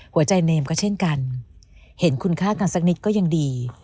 เนมก็เช่นกันเห็นคุณค่ากันสักนิดก็ยังดี